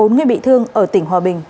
bốn người bị thương ở tỉnh hòa bình